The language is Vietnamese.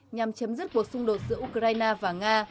nhằm chấm dứt cuộc xung đột giữa ukraine và nga